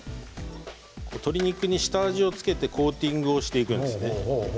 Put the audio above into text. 鶏肉に下味を付けてコーティングをしていくんですね。